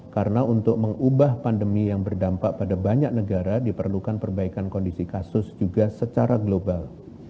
karena untuk mengubah pandemi yang berdampak pada banyak negara diperlukan perbaikan kondisi kasus juga secara global